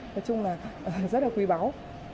nói chung là rất là quý báu